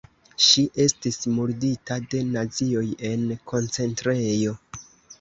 Ŝi estis murdita de nazioj en koncentrejo.